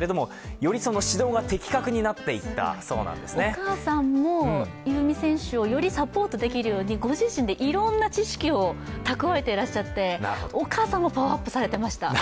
お母さんも悠未選手をよりサポートできるようにご自身でいろんな知識を蓄えていらっしゃってお母さんもパワーアップされていました。